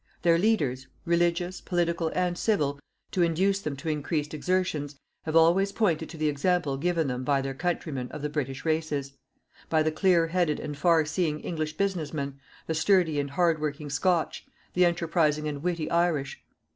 Their leaders, religious, political and civil, to induce them to increased exertions, have always pointed to the example given them by their countrymen of the British races: by the clear headed and far seeing English business man, the sturdy and hard working Scotch, the enterprising and witty Irish.